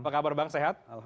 pekabar bang sehat